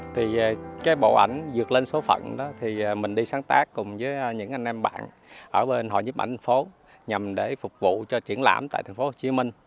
thì cái bộ ảnh dược lên số phận đó thì mình đi sáng tác cùng với những anh em bạn ở bên hội nhếp ảnh thành phố nhằm để phục vụ cho triển lãm tại tp hcm